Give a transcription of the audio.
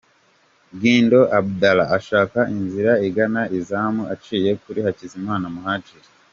Guindo Abdallah ashaka inzira igana izamu aciye kuri Hakizimana Muhadjili.